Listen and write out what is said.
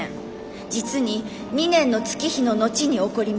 実に２年の月日の後に起こりました」。